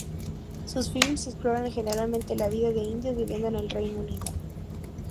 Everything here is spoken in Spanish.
Sus filmes exploran generalmente la vida de indios viviendo en el Reino Unido.